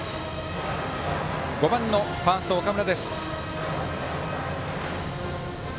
５番のファースト、岡村。